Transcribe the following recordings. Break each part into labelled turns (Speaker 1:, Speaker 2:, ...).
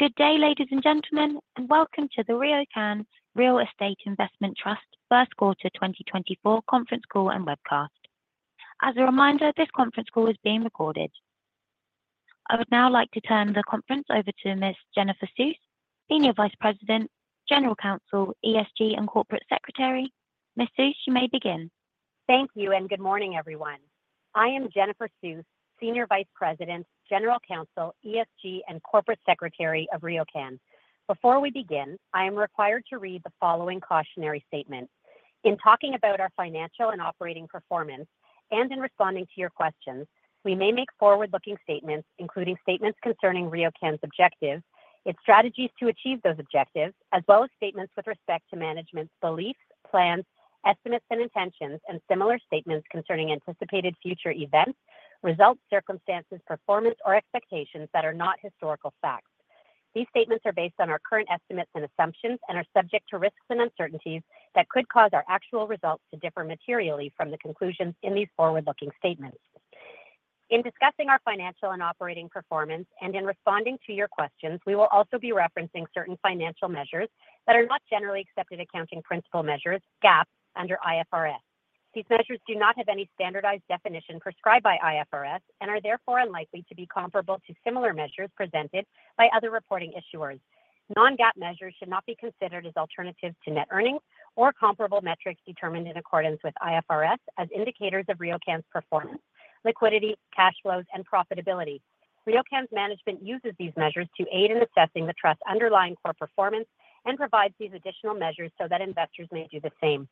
Speaker 1: Good day, ladies and gentlemen, and welcome to the RioCan Real Estate Investment Trust first quarter 2024 conference call and webcast. As a reminder, this conference call is being recorded. I would now like to turn the conference over to Ms. Jennifer Suess, Senior Vice President, General Counsel, ESG and Corporate Secretary. Ms. Suess, you may begin.
Speaker 2: Thank you, and good morning, everyone. I am Jennifer Suess, Senior Vice President, General Counsel, ESG and Corporate Secretary of RioCan. Before we begin, I am required to read the following cautionary statement: In talking about our financial and operating performance, and in responding to your questions, we may make forward-looking statements including statements concerning RioCan's objectives, its strategies to achieve those objectives, as well as statements with respect to management's beliefs, plans, estimates and intentions, and similar statements concerning anticipated future events, results, circumstances, performance or expectations that are not historical facts. These statements are based on our current estimates and assumptions and are subject to risks and uncertainties that could cause our actual results to differ materially from the conclusions in these forward-looking statements. In discussing our financial and operating performance and in responding to your questions, we will also be referencing certain financial measures that are not generally accepted accounting principles measures, GAAP, under IFRS. These measures do not have any standardized definition prescribed by IFRS and are therefore unlikely to be comparable to similar measures presented by other reporting issuers. Non-GAAP measures should not be considered as alternatives to net earnings or comparable metrics determined in accordance with IFRS as indicators of RioCan's performance, liquidity, cash flows and profitability. RioCan's management uses these measures to aid in assessing the trust's underlying core performance and provides these additional measures so that investors may do the same.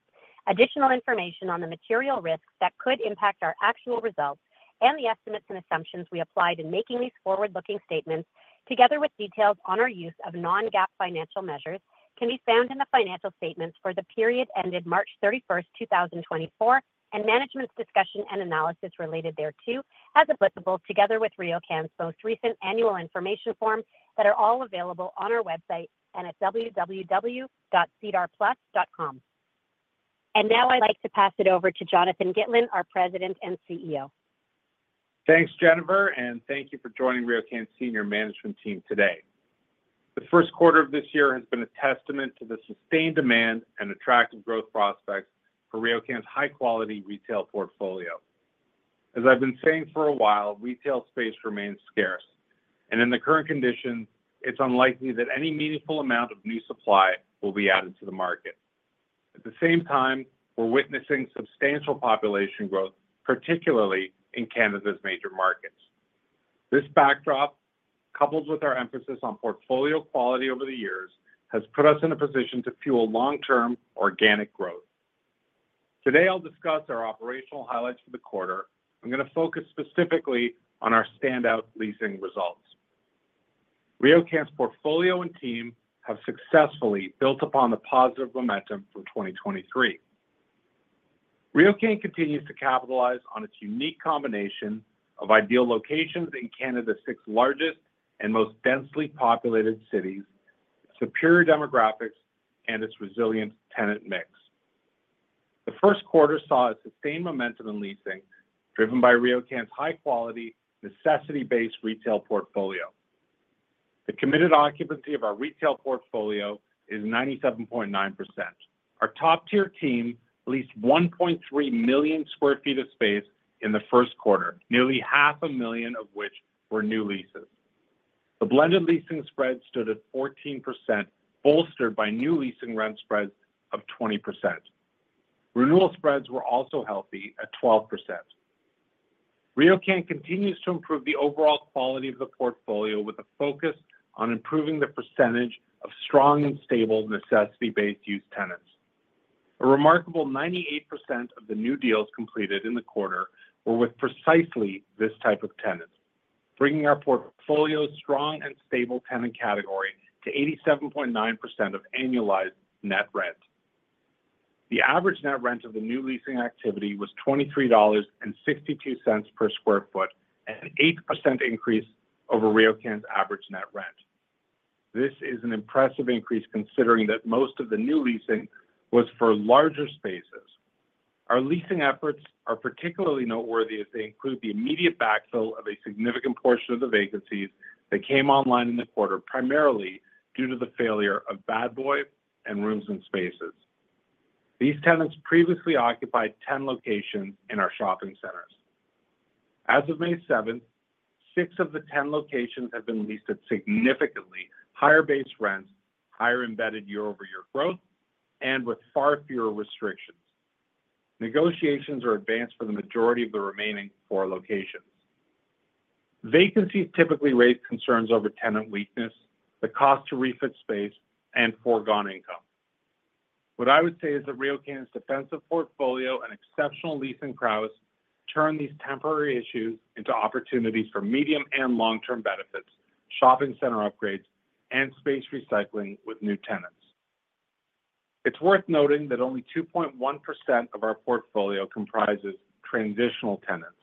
Speaker 2: Additional information on the material risks that could impact our actual results and the estimates and assumptions we applied in making these forward-looking statements, together with details on our use of non-GAAP financial measures, can be found in the financial statements for the period ended March 31, 2024, and management's discussion and analysis related thereto, as applicable, together with RioCan's most recent annual information forms that are all available on our website and at www.sedarplus.com. Now I'd like to pass it over to Jonathan Gitlin, our President and CEO.
Speaker 3: Thanks, Jennifer, and thank you for joining RioCan's senior management team today. The first quarter of this year has been a testament to the sustained demand and attractive growth prospects for RioCan's high-quality retail portfolio. As I've been saying for a while, retail space remains scarce, and in the current conditions, it's unlikely that any meaningful amount of new supply will be added to the market. At the same time, we're witnessing substantial population growth, particularly in Canada's major markets. This backdrop, coupled with our emphasis on portfolio quality over the years, has put us in a position to fuel long-term organic growth. Today I'll discuss our operational highlights for the quarter. I'm going to focus specifically on our standout leasing results. RioCan's portfolio and team have successfully built upon the positive momentum from 2023. RioCan continues to capitalize on its unique combination of ideal locations in Canada's six largest and most densely populated cities, its superior demographics, and its resilient tenant mix. The first quarter saw a sustained momentum in leasing driven by RioCan's high-quality, necessity-based retail portfolio. The committed occupancy of our retail portfolio is 97.9%. Our top-tier team leased 1.3 million sq ft of space in the first quarter, nearly 500,000 of which were new leases. The blended leasing spread stood at 14%, bolstered by new leasing rent spreads of 20%. Renewal spreads were also healthy at 12%. RioCan continues to improve the overall quality of the portfolio with a focus on improving the percentage of strong and stable necessity-based-use tenants. A remarkable 98% of the new deals completed in the quarter were with precisely this type of tenant, bringing our portfolio's strong and stable tenant category to 87.9% of annualized net rent. The average net rent of the new leasing activity was 23.62 dollars per sq ft, an 8% increase over RioCan's average net rent. This is an impressive increase considering that most of the new leasing was for larger spaces. Our leasing efforts are particularly noteworthy as they include the immediate backfill of a significant portion of the vacancies that came online in the quarter, primarily due to the failure of Bad Boy and Rooms + Spaces. These tenants previously occupied 10 locations in our shopping centers. As of May 7, six of the 10 locations have been leased at significantly higher-based rents, higher embedded year-over-year growth, and with far fewer restrictions. Negotiations are advanced for the majority of the remaining four locations. Vacancies typically raise concerns over tenant weakness, the cost to refit space, and foregone income. What I would say is that RioCan's defensive portfolio and exceptional leasing prowess turn these temporary issues into opportunities for medium and long-term benefits, shopping center upgrades, and space recycling with new tenants. It's worth noting that only 2.1% of our portfolio comprises transitional tenants,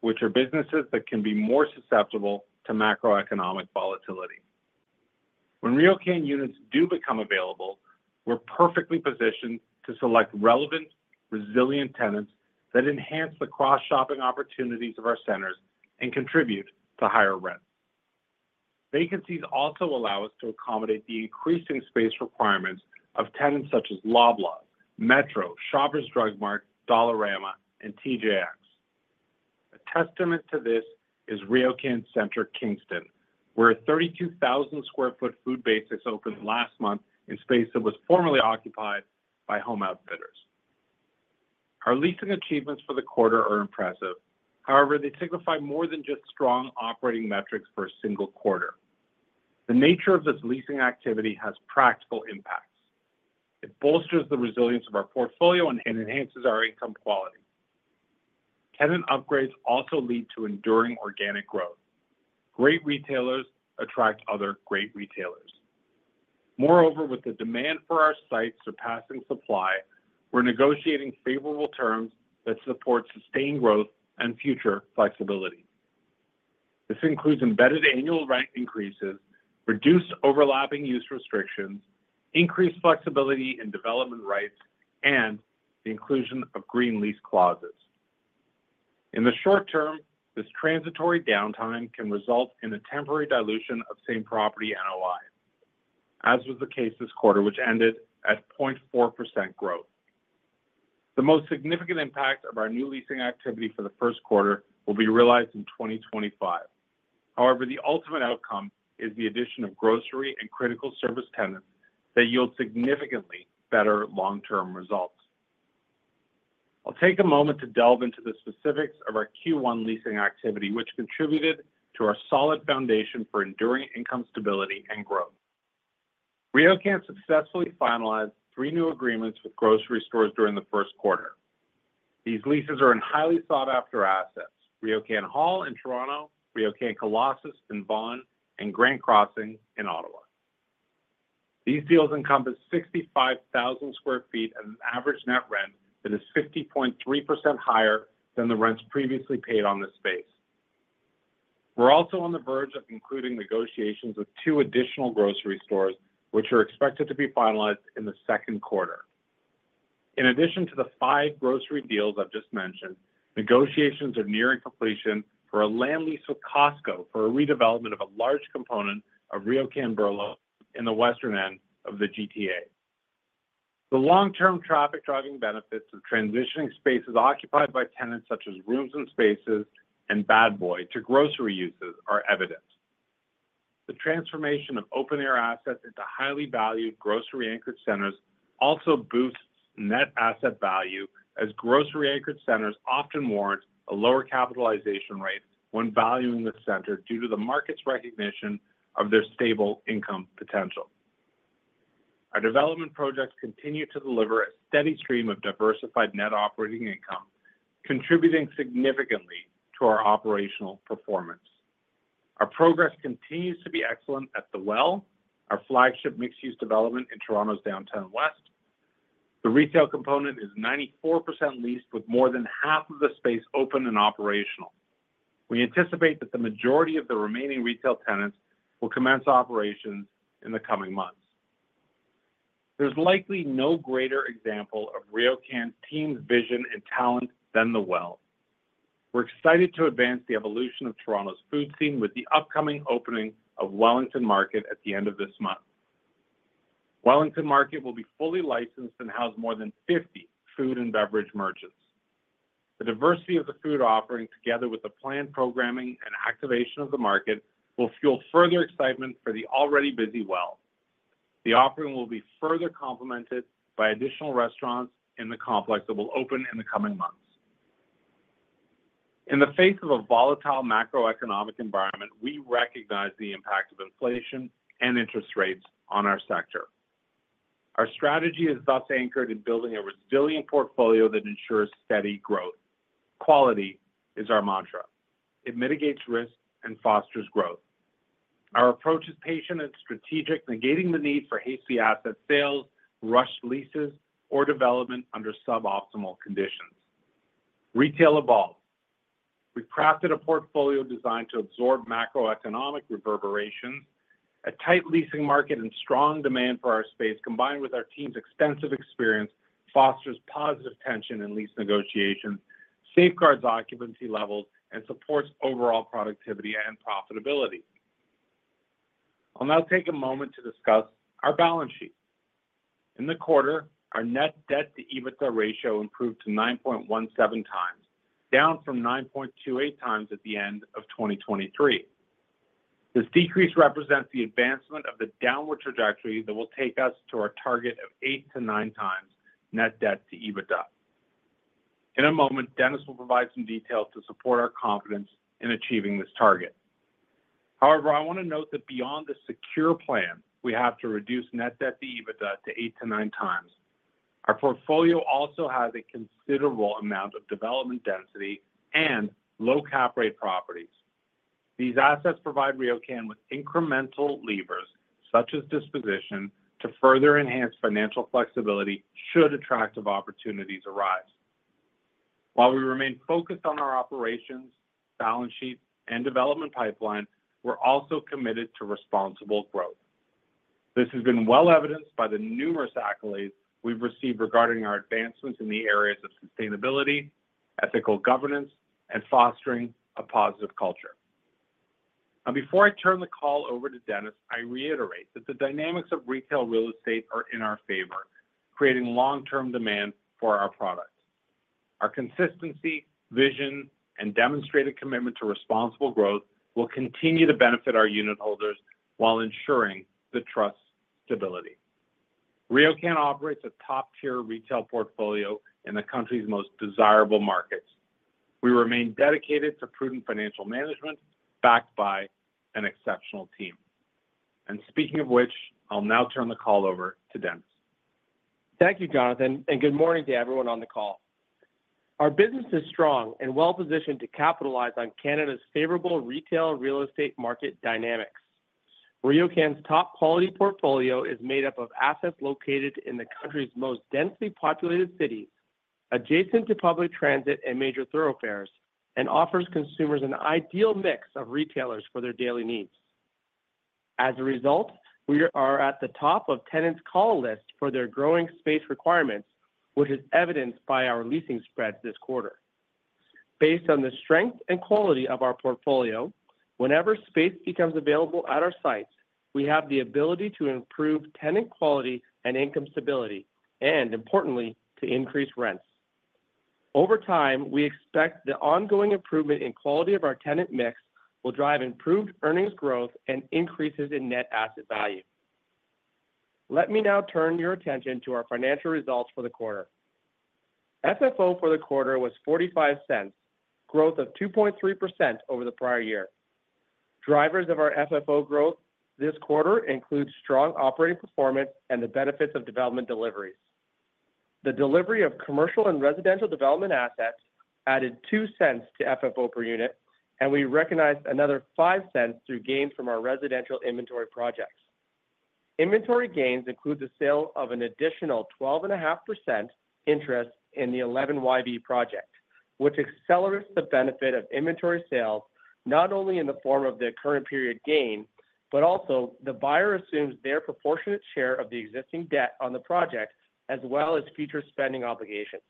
Speaker 3: which are businesses that can be more susceptible to macroeconomic volatility. When RioCan units do become available, we're perfectly positioned to select relevant, resilient tenants that enhance the cross-shopping opportunities of our centers and contribute to higher rents. Vacancies also allow us to accommodate the increasing space requirements of tenants such as Loblaw, Metro, Shoppers Drug Mart, Dollarama, and TJX. A testament to this is the RioCan Centre Kingston, where a 32,000 sq ft Food Basics opened last month in space that was formerly occupied by Home Outfitters. Our leasing achievements for the quarter are impressive. However, they signify more than just strong operating metrics for a single quarter. The nature of this leasing activity has practical impacts. It bolsters the resilience of our portfolio and enhances our income quality. Tenant upgrades also lead to enduring organic growth. Great retailers attract other great retailers. Moreover, with the demand for our site surpassing supply, we're negotiating favorable terms that support sustained growth and future flexibility. This includes embedded annual rent increases, reduced overlapping use restrictions, increased flexibility in development rights, and the inclusion of green lease clauses. In the short term, this transitory downtime can result in a temporary dilution of same-property NOI, as was the case this quarter, which ended at 0.4% growth. The most significant impact of our new leasing activity for the first quarter will be realized in 2025. However, the ultimate outcome is the addition of grocery and critical service tenants that yield significantly better long-term results. I'll take a moment to delve into the specifics of our Q1 leasing activity, which contributed to our solid foundation for enduring income stability and growth. RioCan successfully finalized three new agreements with grocery stores during the first quarter. These leases are in highly sought-after assets: RioCan Hall in Toronto, RioCan Colossus in Vaughan, and Grant Crossing in Ottawa. These deals encompass 65,000 sq ft and an average net rent that is 50.3% higher than the rents previously paid on this space. We're also on the verge of concluding negotiations with two additional grocery stores, which are expected to be finalized in the second quarter. In addition to the five grocery deals I've just mentioned, negotiations are nearing completion for a land lease with Costco for a redevelopment of a large component of RioCan Burloak in the western end of the GTA. The long-term traffic-driving benefits of transitioning spaces occupied by tenants such as Rooms + Spaces and Bad Boy to grocery uses are evident. The transformation of open-air assets into highly valued grocery-anchored centers also boosts net asset value, as grocery-anchored centers often warrant a lower capitalization rate when valuing the center due to the market's recognition of their stable income potential. Our development projects continue to deliver a steady stream of diversified net operating income, contributing significantly to our operational performance. Our progress continues to be excellent at The Well, our flagship mixed-use development in Toronto's Downtown West. The retail component is 94% leased, with more than half of the space open and operational. We anticipate that the majority of the remaining retail tenants will commence operations in the coming months. There's likely no greater example of RioCan's team's vision and talent than The Well. We're excited to advance the evolution of Toronto's food scene with the upcoming opening of Wellington Market at the end of this month. Wellington Market will be fully licensed and house more than 50 food and beverage merchants. The diversity of the food offering, together with the planned programming and activation of the market, will fuel further excitement for the already busy Well. The offering will be further complemented by additional restaurants in the complex that will open in the coming months. In the face of a volatile macroeconomic environment, we recognize the impact of inflation and interest rates on our sector. Our strategy is thus anchored in building a resilient portfolio that ensures steady growth. Quality is our mantra. It mitigates risk and fosters growth. Our approach is patient and strategic, negating the need for hasty asset sales, rushed leases, or development under suboptimal conditions. Retail evolves. We've crafted a portfolio designed to absorb macroeconomic reverberations. A tight leasing market and strong demand for our space, combined with our team's extensive experience, fosters positive tension in lease negotiations, safeguards occupancy levels, and supports overall productivity and profitability. I'll now take a moment to discuss our balance sheet. In the quarter, our Net Debt-to-EBITDA ratio improved to 9.17x, down from 9.28x at the end of 2023. This decrease represents the advancement of the downward trajectory that will take us to our target of 8x-9x net debt-to-EBITDA. In a moment, Dennis will provide some details to support our confidence in achieving this target. However, I want to note that beyond the secure plan, we have to reduce net debt-to-EBITDA to 8x-9x. Our portfolio also has a considerable amount of development density and low-cap-rate properties. These assets provide RioCan with incremental levers, such as disposition, to further enhance financial flexibility should attractive opportunities arise. While we remain focused on our operations, balance sheet, and development pipeline, we're also committed to responsible growth. This has been well evidenced by the numerous accolades we've received regarding our advancements in the areas of sustainability, ethical governance, and fostering a positive culture. Now, before I turn the call over to Dennis, I reiterate that the dynamics of retail real estate are in our favor, creating long-term demand for our products. Our consistency, vision, and demonstrated commitment to responsible growth will continue to benefit our unit holders while ensuring the trust's stability. RioCan operates a top-tier retail portfolio in the country's most desirable markets. We remain dedicated to prudent financial management backed by an exceptional team. Speaking of which, I'll now turn the call over to Dennis.
Speaker 4: Thank you, Jonathan, and good morning to everyone on the call. Our business is strong and well-positioned to capitalize on Canada's favorable retail real estate market dynamics. RioCan's top-quality portfolio is made up of assets located in the country's most densely populated cities, adjacent to public transit and major thoroughfares, and offers consumers an ideal mix of retailers for their daily needs. As a result, we are at the top of tenants' call lists for their growing space requirements, which is evidenced by our leasing spreads this quarter. Based on the strength and quality of our portfolio, whenever space becomes available at our sites, we have the ability to improve tenant quality and income stability and, importantly, to increase rents. Over time, we expect the ongoing improvement in quality of our tenant mix will drive improved earnings growth and increases in net asset value. Let me now turn your attention to our financial results for the quarter. FFO for the quarter was 0.45, growth of 2.3% over the prior year. Drivers of our FFO growth this quarter include strong operating performance and the benefits of development deliveries. The delivery of commercial and residential development assets added 0.02 to FFO per unit, and we recognized another 0.05 through gains from our residential inventory projects. Inventory gains include the sale of an additional 12.5% interest in the 11YV project, which accelerates the benefit of inventory sales not only in the form of the current-period gain but also the buyer assumes their proportionate share of the existing debt on the project as well as future spending obligations.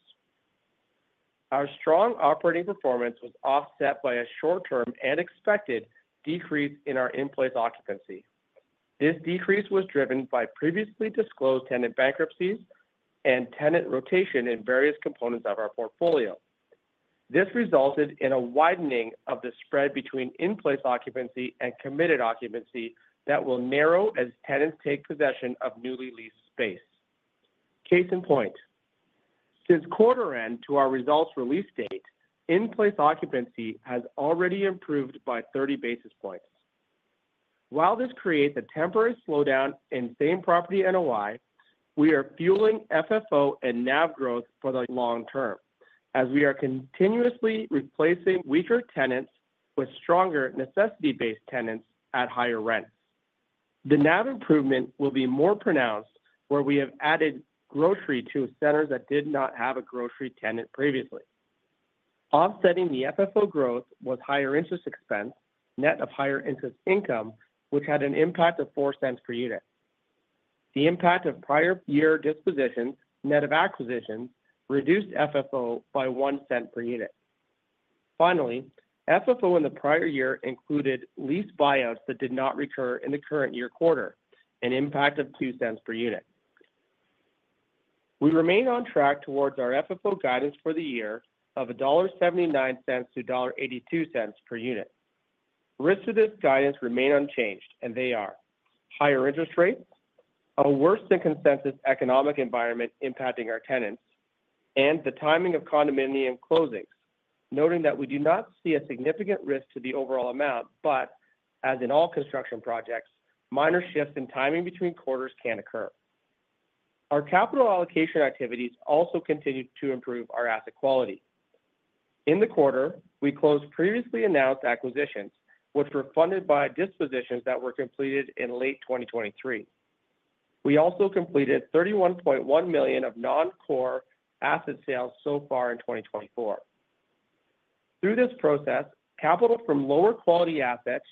Speaker 4: Our strong operating performance was offset by a short-term and expected decrease in our in-place occupancy. This decrease was driven by previously disclosed tenant bankruptcies and tenant rotation in various components of our portfolio. This resulted in a widening of the spread between in-place occupancy and committed occupancy that will narrow as tenants take possession of newly leased space. Case in point: since quarter-end to our results release date, in-place occupancy has already improved by 30 basis points. While this creates a temporary slowdown in same-property NOI, we are fueling FFO and NAV growth for the long term, as we are continuously replacing weaker tenants with stronger necessity-based tenants at higher rents. The NAV improvement will be more pronounced where we have added grocery to centers that did not have a grocery tenant previously. Offsetting the FFO growth was higher interest expense net of higher interest income, which had an impact of 0.04 per unit. The impact of prior-year dispositions net of acquisitions reduced FFO by 0.01 per unit. Finally, FFO in the prior year included lease buyouts that did not recur in the current-year quarter, an impact of 0.02 per unit. We remain on track towards our FFO guidance for the year of 1.79-1.82 dollar per unit. Risks to this guidance remain unchanged, and they are: higher interest rates, a worse-than-consensus economic environment impacting our tenants, and the timing of condominium closings, noting that we do not see a significant risk to the overall amount but, as in all construction projects, minor shifts in timing between quarters can occur. Our capital allocation activities also continue to improve our asset quality. In the quarter, we closed previously announced acquisitions, which were funded by dispositions that were completed in late 2023. We also completed 31.1 million of non-core asset sales so far in 2024. Through this process, capital from lower-quality assets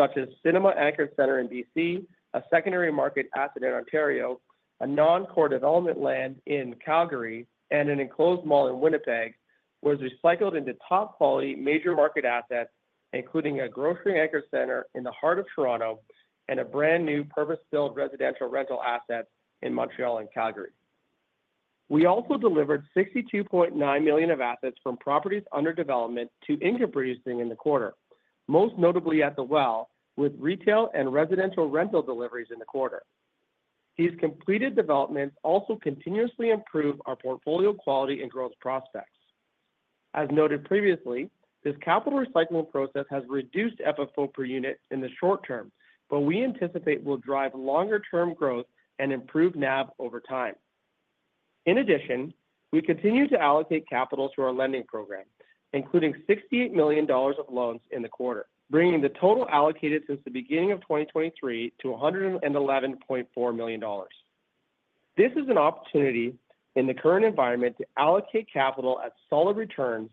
Speaker 4: such as cinema-anchored center in BC, a secondary market asset in Ontario, a non-core development land in Calgary, and an enclosed mall in Winnipeg was recycled into top-quality major market assets, including a grocery anchor center in the heart of Toronto and a brand new purpose-built residential rental asset in Montreal and Calgary. We also delivered 62.9 million of assets from properties under development to income-producing in the quarter, most notably at The Well, with retail and residential rental deliveries in the quarter. These completed developments also continuously improve our portfolio quality and growth prospects. As noted previously, this capital recycling process has reduced FFO per unit in the short term, but we anticipate will drive longer-term growth and improve NAV over time. In addition, we continue to allocate capital to our lending program, including 68 million dollars of loans in the quarter, bringing the total allocated since the beginning of 2023 to 111.4 million dollars. This is an opportunity in the current environment to allocate capital at solid returns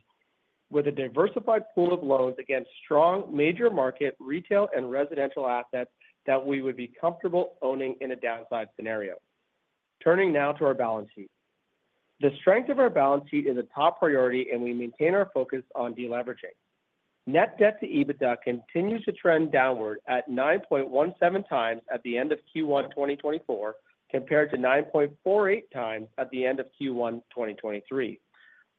Speaker 4: with a diversified pool of loans against strong major market retail and residential assets that we would be comfortable owning in a downside scenario. Turning now to our balance sheet. The strength of our balance sheet is a top priority, and we maintain our focus on deleveraging. Net debt-to-EBITDA continues to trend downward at 9.17x at the end of Q1 2024 compared to 9.48x at the end of Q1 2023,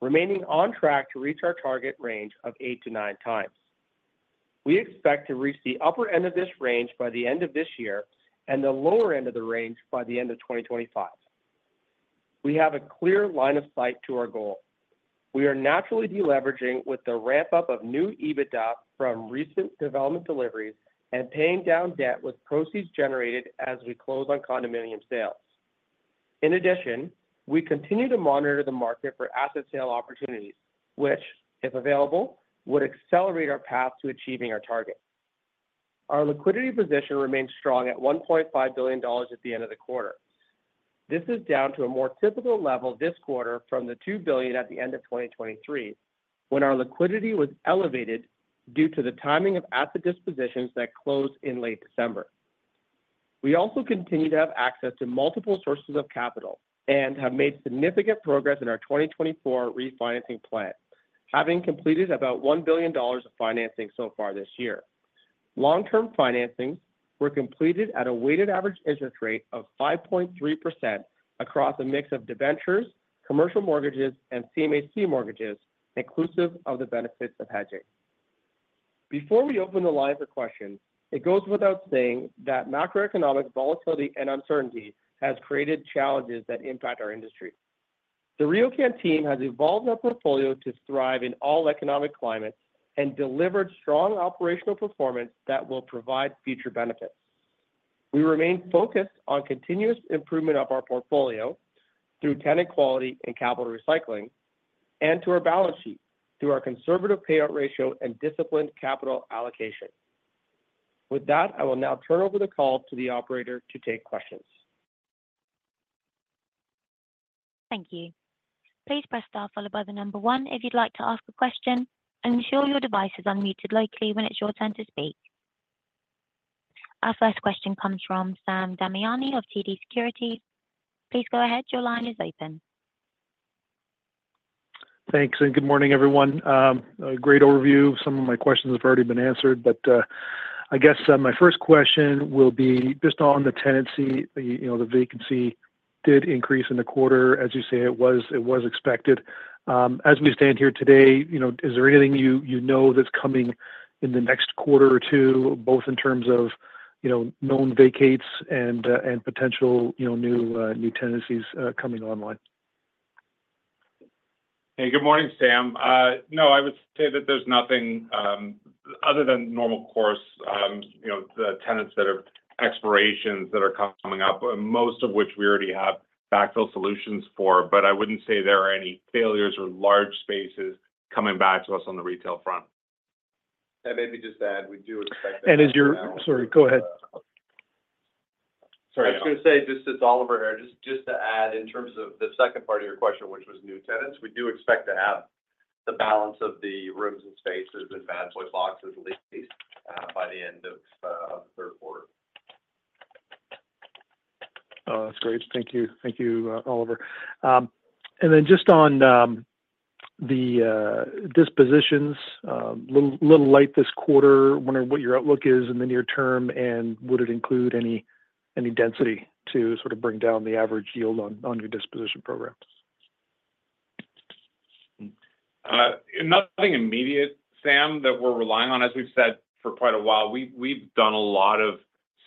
Speaker 4: remaining on track to reach our target range of 8x-9x. We expect to reach the upper end of this range by the end of this year and the lower end of the range by the end of 2025. We have a clear line of sight to our goal. We are naturally deleveraging with the ramp-up of new EBITDA from recent development deliveries and paying down debt with proceeds generated as we close on condominium sales. In addition, we continue to monitor the market for asset sale opportunities, which, if available, would accelerate our path to achieving our target. Our liquidity position remains strong at 1.5 billion dollars at the end of the quarter. This is down to a more typical level this quarter from the 2 billion at the end of 2023, when our liquidity was elevated due to the timing of asset dispositions that closed in late December. We also continue to have access to multiple sources of capital and have made significant progress in our 2024 refinancing plan, having completed about 1 billion dollars of financing so far this year. Long-term financings were completed at a weighted average interest rate of 5.3% across a mix of debentures, commercial mortgages, and CMHC mortgages, inclusive of the benefits of hedging. Before we open the line for questions, it goes without saying that macroeconomic volatility and uncertainty has created challenges that impact our industry. The RioCan team has evolved our portfolio to thrive in all economic climates and delivered strong operational performance that will provide future benefits. We remain focused on continuous improvement of our portfolio through tenant quality and capital recycling and to our balance sheet through our conservative payout ratio and disciplined capital allocation. With that, I will now turn over the call to the operator to take questions.
Speaker 1: Thank you. Please press star followed by the number one if you'd like to ask a question, and ensure your device is unmuted locally when it's your turn to speak. Our first question comes from Sam Damiani of TD Securities. Please go ahead. Your line is open.
Speaker 5: Thanks, and good morning, everyone. Great overview. Some of my questions have already been answered, but I guess my first question will be just on the tenancy. The vacancy did increase in the quarter, as you say it was expected. As we stand here today, is there anything you know that's coming in the next quarter or two, both in terms of known vacates and potential new tenancies coming online?
Speaker 3: Hey, good morning, Sam. No, I would say that there's nothing other than normal course, the tenants that are expirations that are coming up, most of which we already have backfill solutions for, but I wouldn't say there are any failures or large spaces coming back to us on the retail front.
Speaker 6: Maybe just add, we do expect to have the balance.
Speaker 3: Sorry, go ahead.
Speaker 6: Sorry, I was going to say, just since Oliver's here, just to add in terms of the second part of your question, which was new tenants, we do expect to have the balance of the rooms and spaces and Bad Boy boxes leased by the end of the third quarter.
Speaker 5: Oh, that's great. Thank you. Thank you, Oliver. And then just on the dispositions, a little late this quarter, wondering what your outlook is in the near term and would it include any density to sort of bring down the average yield on your disposition program?
Speaker 6: Nothing immediate, Sam, that we're relying on, as we've said for quite a while. We've done a lot of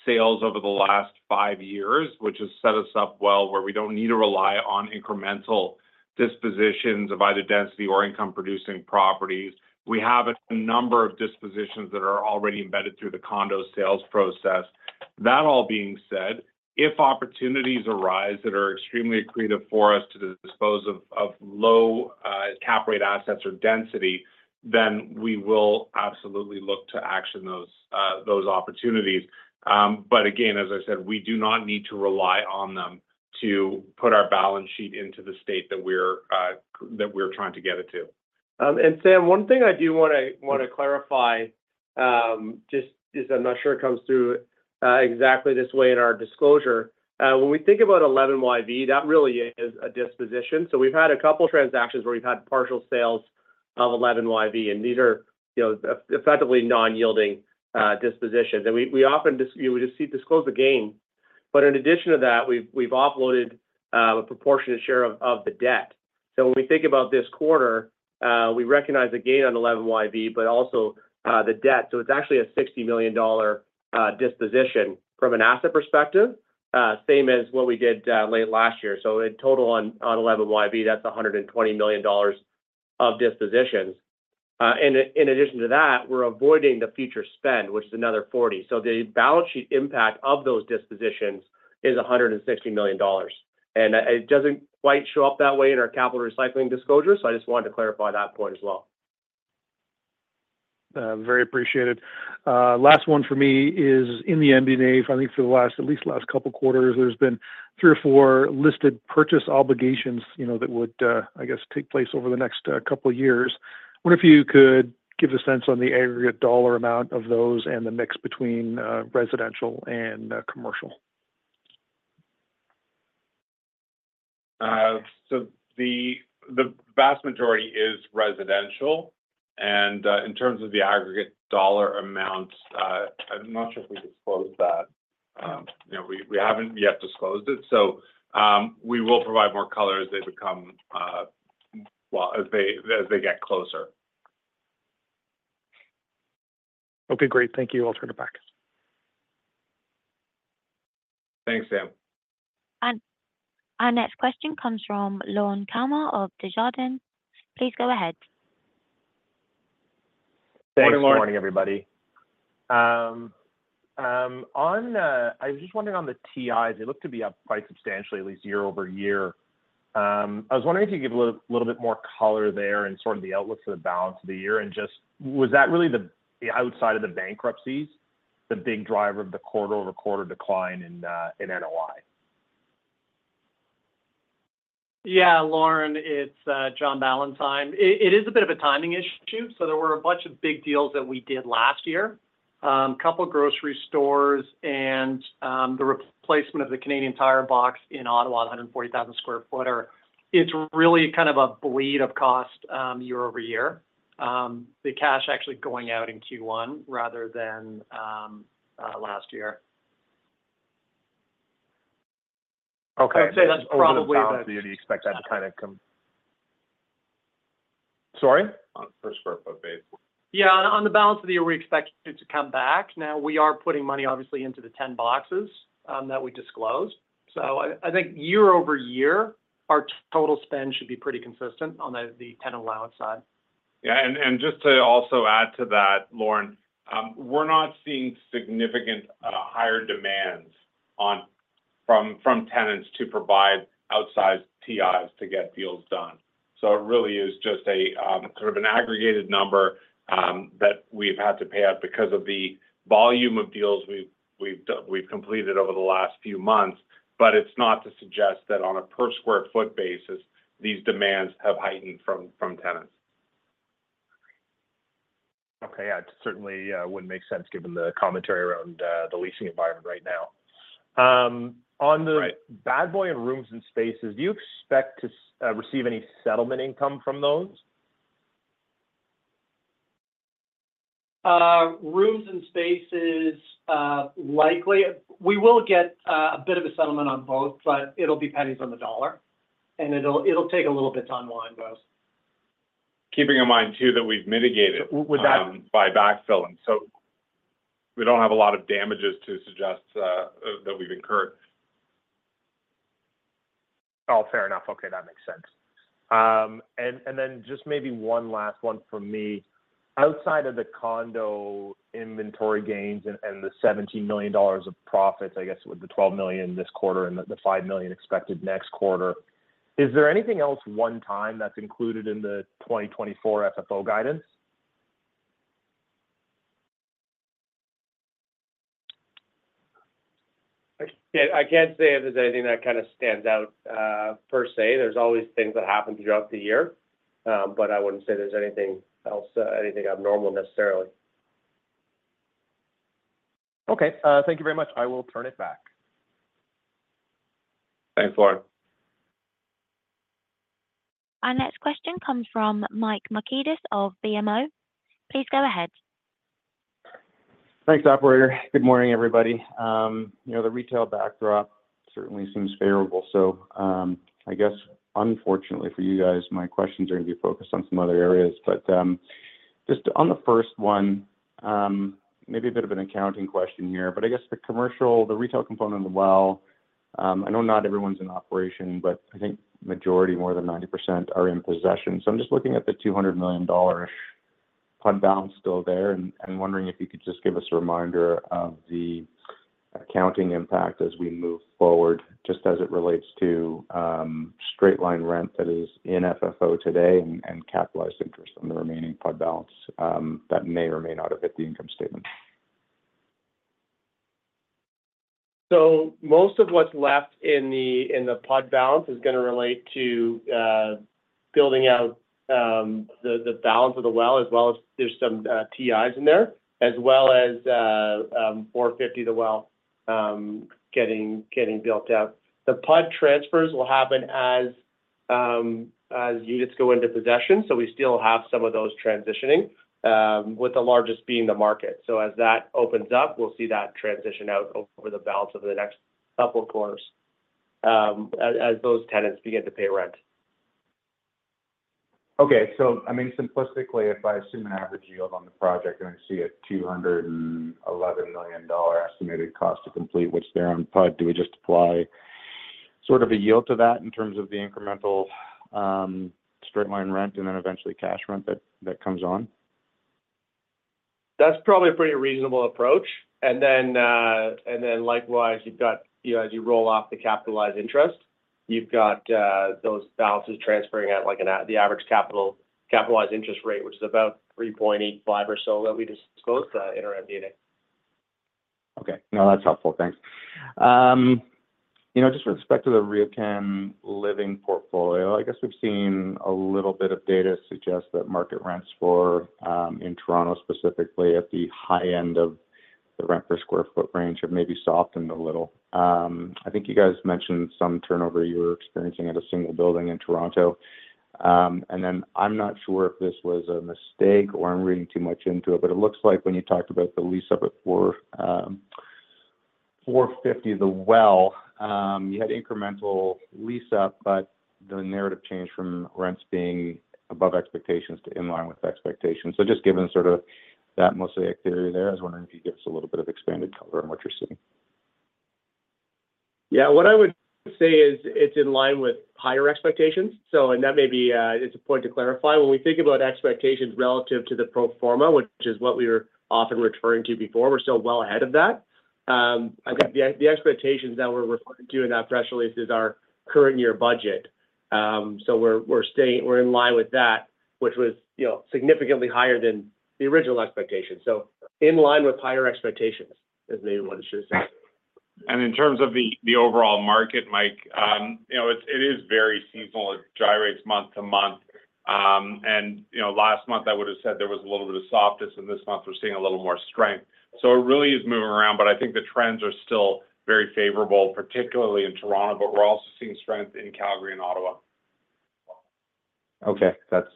Speaker 6: sales over the last five years, which has set us up well where we don't need to rely on incremental dispositions of either density or income-producing properties. We have a number of dispositions that are already embedded through the condo sales process. That all being said, if opportunities arise that are extremely accretive for us to dispose of low cap-rate assets or density, then we will absolutely look to action those opportunities. But again, as I said, we do not need to rely on them to put our balance sheet into the state that we're trying to get it to.
Speaker 4: Sam, one thing I do want to clarify just is I'm not sure it comes through exactly this way in our disclosure. When we think about 11YV, that really is a disposition. So we've had a couple of transactions where we've had partial sales of 11YV, and these are effectively non-yielding dispositions. And we often just disclose the gain. But in addition to that, we've offloaded a proportionate share of the debt. So when we think about this quarter, we recognize the gain on 11YV but also the debt. So it's actually a 60 million dollar disposition from an asset perspective, same as what we did late last year. So in total on 11YV, that's 120 million dollars of dispositions. And in addition to that, we're avoiding the future spend, which is another 40 million. So the balance sheet impact of those dispositions is 160 million dollars. It doesn't quite show up that way in our capital recycling disclosure, so I just wanted to clarify that point as well.
Speaker 5: Very appreciated. Last one for me is in the MD&A, I think for the last at least last couple of quarters, there's been three or four listed purchase obligations that would, I guess, take place over the next couple of years. I wonder if you could give a sense on the aggregate dollar amount of those and the mix between residential and commercial.
Speaker 3: So the vast majority is residential. And in terms of the aggregate dollar amount, I'm not sure if we disclosed that. We haven't yet disclosed it, so we will provide more colors as they get closer.
Speaker 5: Okay, great. Thank you. I'll turn it back.
Speaker 3: Thanks, Sam.
Speaker 1: Our next question comes from Lorne Kalmar of Desjardins. Please go ahead.
Speaker 7: Thanks.
Speaker 3: Morning, Lorne.
Speaker 7: Good morning, everybody. I was just wondering on the TIs. They look to be up quite substantially, at least year-over-year. I was wondering if you could give a little bit more color there and sort of the outlook for the balance of the year. And just was that really the outside of the bankruptcies, the big driver of the quarter-over-quarter decline in NOI?
Speaker 8: Yeah, Lorne, it's John Ballantyne. It is a bit of a timing issue. So there were a bunch of big deals that we did last year, a couple of grocery stores, and the replacement of the Canadian Tire Box in Ottawa, the 140,000 sq ft. It's really kind of a bleed of cost year-over-year, the cash actually going out in Q1 rather than last year.
Speaker 7: Okay. What would say that's probably the on the balance of the year, do you expect that to kind of come?
Speaker 8: Sorry?
Speaker 7: On a per sq ft basis.
Speaker 8: Yeah, on the balance of the year, we expect it to come back. Now, we are putting money, obviously, into the 10 boxes that we disclosed. So I think year-over-year, our total spend should be pretty consistent on the tenant allowance side.
Speaker 3: Yeah. And just to also add to that, Lorne, we're not seeing significant higher demands from tenants to provide outsized TIs to get deals done. So it really is just sort of an aggregated number that we've had to pay out because of the volume of deals we've completed over the last few months. But it's not to suggest that on a per-square-foot basis, these demands have heightened from tenants.
Speaker 7: Okay. Yeah, it certainly wouldn't make sense given the commentary around the leasing environment right now. On the Bad Boy in Rooms + Spaces, do you expect to receive any settlement income from those?
Speaker 8: Rooms + Spaces, likely. We will get a bit of a settlement on both, but it'll be pennies on the dollar. And it'll take a little bit to unwind those.
Speaker 3: Keeping in mind, too, that we've mitigated by backfilling. So we don't have a lot of damages to suggest that we've incurred.
Speaker 7: Oh, fair enough. Okay, that makes sense. And then just maybe one last one from me. Outside of the condo inventory gains and the 17 million dollars of profits, I guess with the 12 million this quarter and the 5 million expected next quarter, is there anything else one-time that's included in the 2024 FFO guidance?
Speaker 4: I can't say if there's anything that kind of stands out per se. There's always things that happen throughout the year, but I wouldn't say there's anything abnormal necessarily.
Speaker 7: Okay. Thank you very much. I will turn it back.
Speaker 3: Thanks, Lorne.
Speaker 1: Our next question comes from Mike Markidis of BMO. Please go ahead.
Speaker 9: Thanks, operator. Good morning, everybody. The retail backdrop certainly seems favorable. So I guess, unfortunately for you guys, my questions are going to be focused on some other areas. But just on the first one, maybe a bit of an accounting question here. But I guess the retail component as well. I know not everyone's in operation, but I think the majority, more than 90%, are in possession. So I'm just looking at the 200 million dollar-ish put balance still there and wondering if you could just give us a reminder of the accounting impact as we move forward, just as it relates to straight-line rent that is in FFO today and capitalized interest on the remaining put balance that may or may not have hit the income statement.
Speaker 4: So most of what's left in the put balance is going to relate to building out the balance of The Well, as well as there's some TIs in there, as well as 450 The Well getting built up. The put transfers will happen as units go into possession. So we still have some of those transitioning, with the largest being the Wellington Market. So as that opens up, we'll see that transition out over the balance of the next couple of quarters as those tenants begin to pay rent.
Speaker 9: Okay. So I mean, simplistically, if I assume an average yield on the project and I see a 211 million dollar estimated cost to complete, which they're on put, do we just apply sort of a yield to that in terms of the incremental straight-line rent and then eventually cash rent that comes on?
Speaker 4: That's probably a pretty reasonable approach. And then likewise, you've got as you roll off the capitalized interest, you've got those balances transferring at the average capitalized interest rate, which is about 3.85 or so that we disclosed in our MD&A.
Speaker 9: Okay. No, that's helpful. Thanks. Just with respect to the RioCan Living portfolio, I guess we've seen a little bit of data suggest that market rents for in Toronto specifically at the high end of the rent per square foot range have maybe softened a little. I think you guys mentioned some turnover you were experiencing at a single building in Toronto. And then I'm not sure if this was a mistake or I'm reading too much into it, but it looks like when you talked about the lease up at 450 The Well, you had incremental lease up, but the narrative changed from rents being above expectations to in line with expectations. So just given sort of that mostly a theory there, I was wondering if you could give us a little bit of expanded color on what you're seeing.
Speaker 4: Yeah. What I would say is it's in line with higher expectations. That may be, it's a point to clarify. When we think about expectations relative to the pro forma, which is what we were often referring to before, we're still well ahead of that. I think the expectations that we're referring to in that press release is our current year budget. So we're in line with that, which was significantly higher than the original expectation. In line with higher expectations is maybe what I should have said.
Speaker 3: In terms of the overall market, Mike, it is very seasonal. It gyrates month to month. Last month, I would have said there was a little bit of softness, and this month, we're seeing a little more strength. It really is moving around, but I think the trends are still very favorable, particularly in Toronto, but we're also seeing strength in Calgary and Ottawa.
Speaker 9: Okay. That's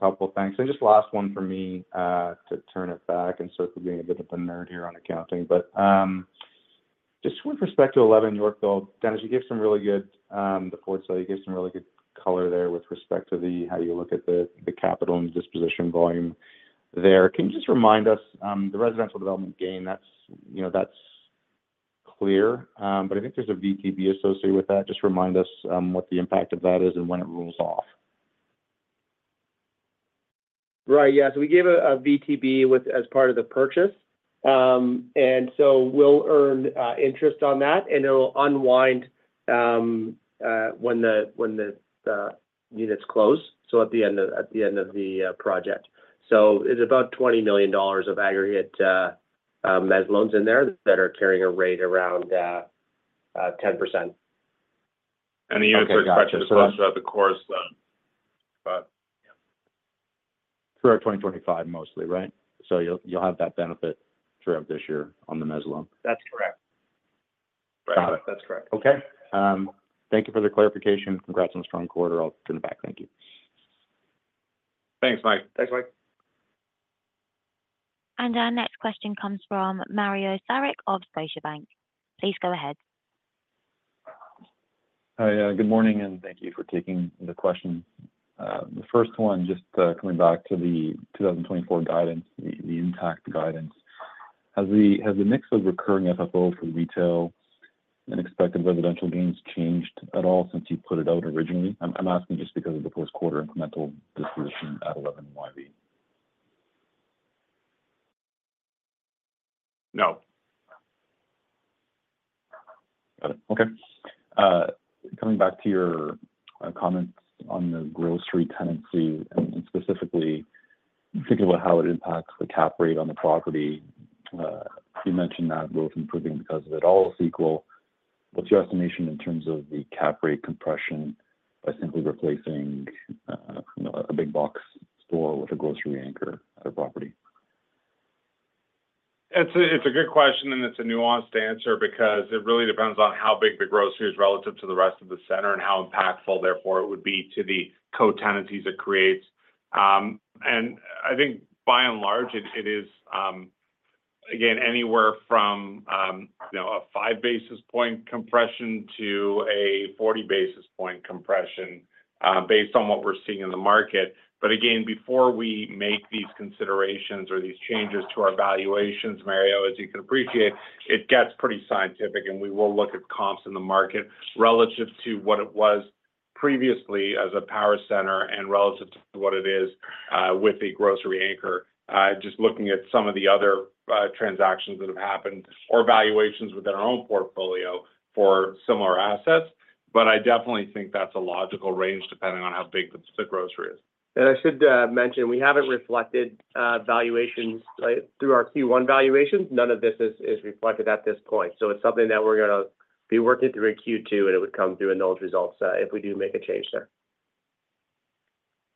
Speaker 9: helpful. Thanks. And just last one for me to turn it back and sort of being a bit of a nerd here on accounting. But just with respect to 11 Yorkville, Dennis, you gave some really good forward sale, you gave some really good color there with respect to how you look at the capital and disposition volume there. Can you just remind us the residential development gain, that's clear, but I think there's a VTB associated with that. Just remind us what the impact of that is and when it rolls off.
Speaker 4: Right. Yeah. So we gave a VTB as part of the purchase. And so we'll earn interest on that, and it'll unwind when the units close, so at the end of the project. So it's about 20 million dollars of aggregate mezz loans in there that are carrying a rate around 10%.
Speaker 3: The units are expected to close throughout the course, though.
Speaker 9: Throughout 2025 mostly, right? So you'll have that benefit throughout this year on the mezzanine loan.
Speaker 4: That's correct.
Speaker 9: Got it.
Speaker 4: That's correct.
Speaker 9: Okay. Thank you for the clarification. Congrats on the strong quarter. I'll turn it back. Thank you.
Speaker 3: Thanks, Mike.
Speaker 4: Thanks, Mike.
Speaker 1: Our next question comes from Mario Saric of Scotiabank. Please go ahead.
Speaker 10: Hi. Good morning, and thank you for taking the question. The first one, just coming back to the 2024 guidance, the intact guidance. Has the mix of recurring FFO for retail and expected residential gains changed at all since you put it out originally? I'm asking just because of the post-quarter incremental disposition at 11YV.
Speaker 3: No.
Speaker 10: Got it. Okay. Coming back to your comments on the grocery tenancy and specifically thinking about how it impacts the cap rate on the property, you mentioned that growth improving because of it all is equal. What's your estimation in terms of the cap rate compression by simply replacing a big box store with a grocery anchor at a property?
Speaker 3: It's a good question, and it's a nuanced answer because it really depends on how big the grocery is relative to the rest of the center and how impactful, therefore, it would be to the co-tenancies it creates. And I think, by and large, it is, again, anywhere from a 5-40 basis point compression based on what we're seeing in the market. But again, before we make these considerations or these changes to our valuations, Mario, as you can appreciate, it gets pretty scientific, and we will look at comps in the market relative to what it was previously as a power center and relative to what it is with a grocery anchor, just looking at some of the other transactions that have happened or valuations within our own portfolio for similar assets. But I definitely think that's a logical range depending on how big the grocery is.
Speaker 4: I should mention, we haven't reflected valuations through our Q1 valuations. None of this is reflected at this point. It's something that we're going to be working through in Q2, and it would come through in those results if we do make a change there.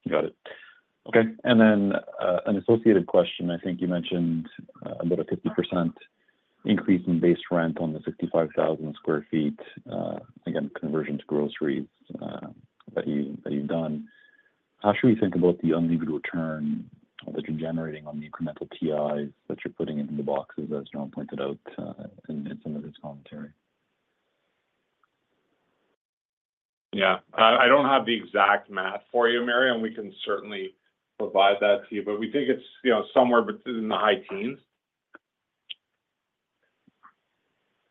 Speaker 10: Got it. Okay. And then an associated question. I think you mentioned about a 50% increase in base rent on the 65,000 sq ft, again, conversion to groceries that you've done. How should we think about the unlevered return that you're generating on the incremental TIs that you're putting into the boxes, as Jon pointed out in some of his commentary?
Speaker 3: Yeah. I don't have the exact math for you, Mario, and we can certainly provide that to you, but we think it's somewhere in the high teens.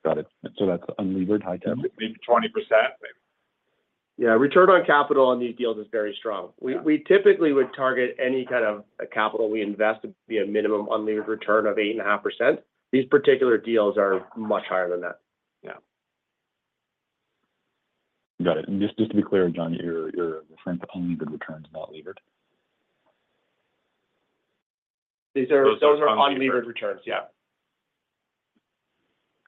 Speaker 10: Got it. So that's unlevered, high teens?
Speaker 3: Maybe 20%.
Speaker 4: Yeah. Return on capital on these deals is very strong. We typically would target any kind of capital we invest to be a minimum unlevered return of 8.5%. These particular deals are much higher than that.
Speaker 10: Got it. Just to be clear, Jon, you're referring to unlevered returns, not levered.
Speaker 3: Those are unlevered returns. Yeah.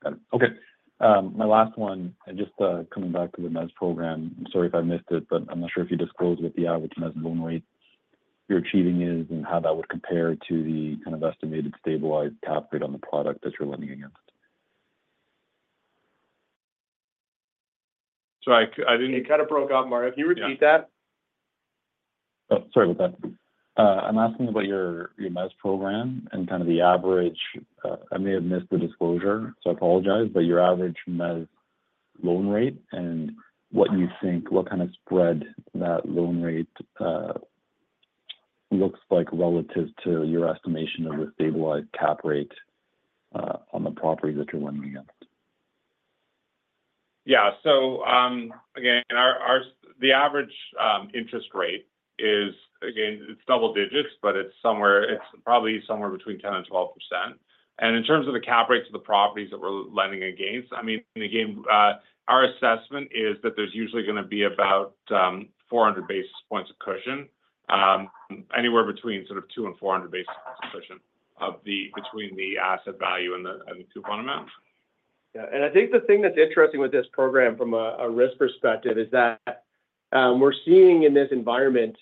Speaker 10: Got it. Okay. My last one, just coming back to the mezz program, I'm sorry if I missed it, but I'm not sure if you disclosed what the average mezz loan rate you're achieving is and how that would compare to the kind of estimated stabilized cap rate on the product that you're lending against?
Speaker 3: Sorry. I didn't. It kind of broke off, Mario. Can you repeat that?
Speaker 10: Sorry about that. I'm asking about your mezz program and kind of the average. I may have missed the disclosure, so I apologize, but your average mezz loan rate and what you think kind of spread that loan rate looks like relative to your estimation of the stabilized cap rate on the properties that you're lending against.
Speaker 3: Yeah. So again, the average interest rate is again, it's double digits, but it's probably somewhere between 10%-12%. And in terms of the cap rates of the properties that we're lending against, I mean, again, our assessment is that there's usually going to be about 400 basis points of cushion, anywhere between sort of 200-400 basis points of cushion between the asset value and the coupon amount.
Speaker 4: Yeah. And I think the thing that's interesting with this program from a risk perspective is that we're seeing in this environment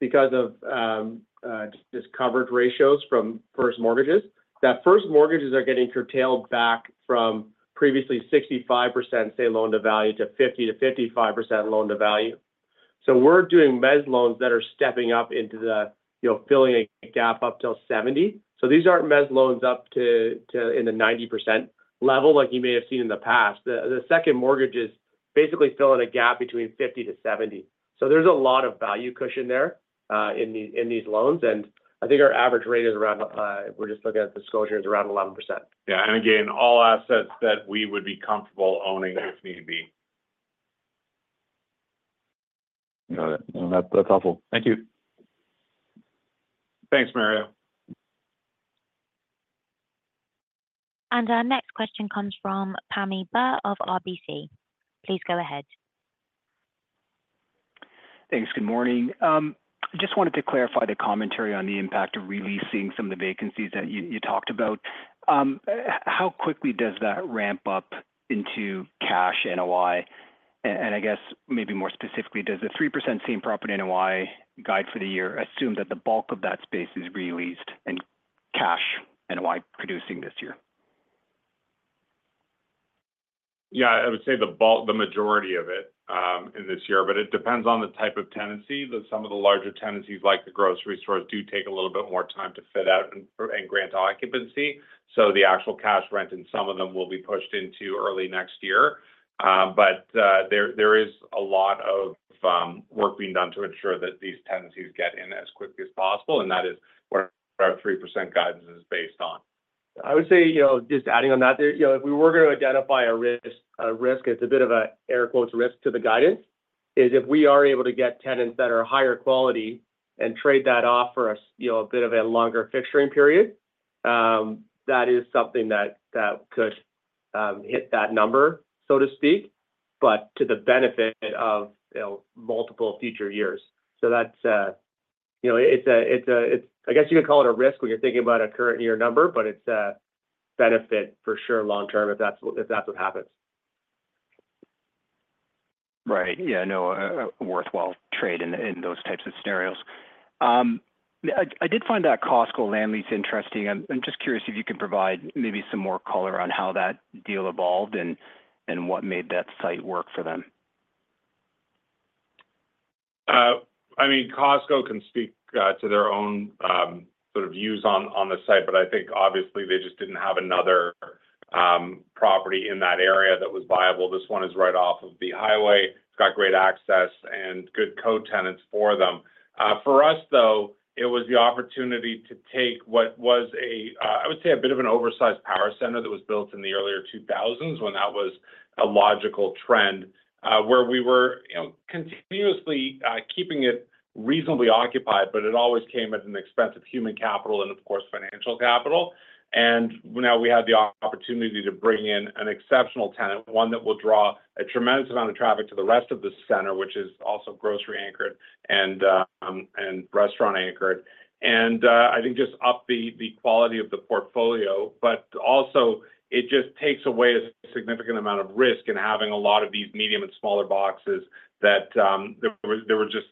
Speaker 4: because of just coverage ratios from first mortgages, that first mortgages are getting curtailed back from previously 65%, say, loan to value to 50%-55% loan to value. So we're doing mezz loans that are stepping up into the filling a gap up till 70. So these aren't mezz loans up to in the 90% level like you may have seen in the past. The second mortgages basically fill in a gap between 50%-70%. So there's a lot of value cushion there in these loans. And I think our average rate is around we're just looking at disclosure is around 11%.
Speaker 3: Yeah. And again, all assets that we would be comfortable owning if need be.
Speaker 10: Got it. That's helpful. Thank you.
Speaker 3: Thanks, Mario.
Speaker 1: Our next question comes from Pammi Bir of RBC. Please go ahead.
Speaker 11: Thanks. Good morning. I just wanted to clarify the commentary on the impact of releasing some of the vacancies that you talked about. How quickly does that ramp up into cash NOI? And I guess maybe more specifically, does the 3% same property NOI guide for the year assume that the bulk of that space is released and cash NOI producing this year?
Speaker 3: Yeah. I would say the majority of it in this year, but it depends on the type of tenancy. Some of the larger tenancies, like the grocery stores, do take a little bit more time to fit out and grant occupancy. So the actual cash rent in some of them will be pushed into early next year. But there is a lot of work being done to ensure that these tenancies get in as quickly as possible, and that is what our 3% guidance is based on.
Speaker 4: I would say just adding on that there, if we were going to identify a risk, it's a bit of an air quotes risk to the guidance, is if we are able to get tenants that are higher quality and trade that off for a bit of a longer fixturing period, that is something that could hit that number, so to speak, but to the benefit of multiple future years. So it's a I guess you could call it a risk when you're thinking about a current year number, but it's a benefit for sure long-term if that's what happens.
Speaker 11: Right. Yeah. No, worthwhile trade in those types of scenarios. I did find that Costco land lease interesting. I'm just curious if you can provide maybe some more color on how that deal evolved and what made that site work for them?
Speaker 3: I mean, Costco can speak to their own sort of views on the site, but I think, obviously, they just didn't have another property in that area that was viable. This one is right off of the highway. It's got great access and good co-tenants for them. For us, though, it was the opportunity to take what was a, I would say, a bit of an oversized power center that was built in the earlier 2000s when that was a logical trend where we were continuously keeping it reasonably occupied, but it always came at an expense of human capital and, of course, financial capital. And now we had the opportunity to bring in an exceptional tenant, one that will draw a tremendous amount of traffic to the rest of the center, which is also grocery anchored and restaurant anchored, and I think just up the quality of the portfolio. But also, it just takes away a significant amount of risk in having a lot of these medium and smaller boxes that there were just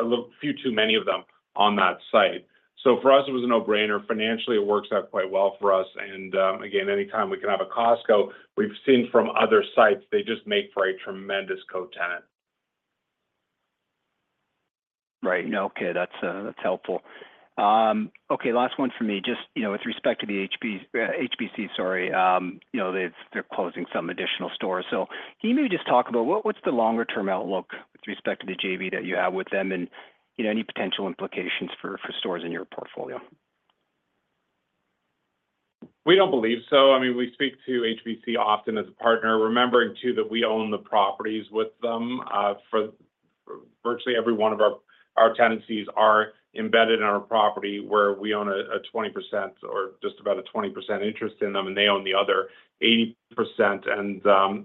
Speaker 3: a few too many of them on that site. So for us, it was a no-brainer. Financially, it works out quite well for us. And again, anytime we can have a Costco, we've seen from other sites, they just make for a tremendous co-tenant.
Speaker 11: Right. Okay. That's helpful. Okay. Last one for me, just with respect to the HBC, sorry, they're closing some additional stores. So can you maybe just talk about what's the longer-term outlook with respect to the JV that you have with them and any potential implications for stores in your portfolio?
Speaker 3: We don't believe so. I mean, we speak to HBC often as a partner, remembering, too, that we own the properties with them. Virtually every one of our tenancies are embedded in our property where we own a 20% or just about a 20% interest in them, and they own the other 80%. And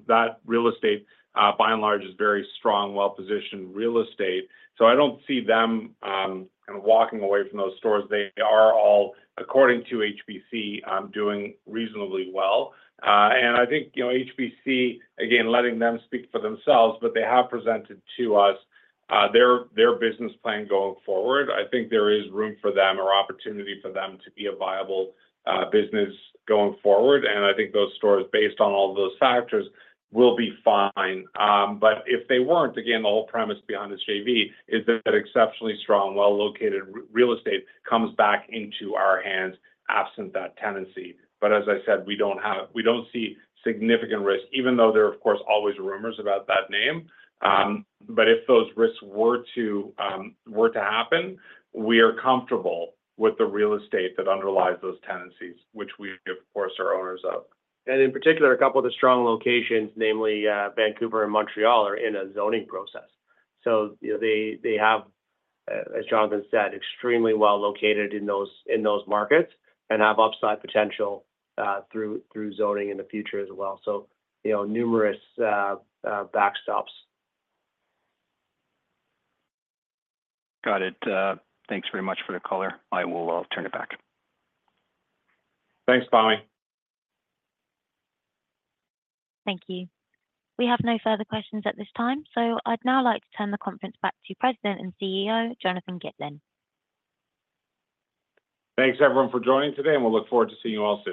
Speaker 3: that real estate, by and large, is very strong, well-positioned real estate. So I don't see them kind of walking away from those stores. They are all, according to HBC, doing reasonably well. And I think HBC, again, letting them speak for themselves, but they have presented to us their business plan going forward. I think there is room for them or opportunity for them to be a viable business going forward. And I think those stores, based on all of those factors, will be fine. But if they weren't, again, the whole premise behind this JV is that exceptionally strong, well-located real estate comes back into our hands absent that tenancy. But as I said, we don't see significant risk, even though there, of course, always are rumors about that name. But if those risks were to happen, we are comfortable with the real estate that underlies those tenancies, which we, of course, are owners of.
Speaker 4: In particular, a couple of the strong locations, namely Vancouver and Montreal, are in a zoning process. They have, as Jonathan said, extremely well located in those markets and have upside potential through zoning in the future as well. Numerous backstops.
Speaker 11: Got it. Thanks very much for the color. I will turn it back.
Speaker 3: Thanks, Pammi.
Speaker 1: Thank you. We have no further questions at this time. I'd now like to turn the conference back to President and Chief Executive Officer Jonathan Gitlin.
Speaker 3: Thanks, everyone, for joining today, and we'll look forward to seeing you all soon.